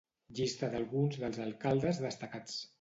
Llista d'alguns dels alcaldes destacats.